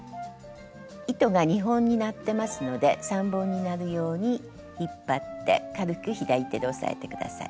糸が２本になってますので３本になるように引っ張って軽く左手で押さえて下さい。